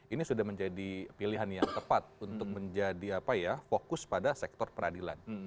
ini sudah menjadi pilihan yang tepat untuk menjadi fokus pada sektor peradilan